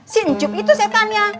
si ncup itu setannya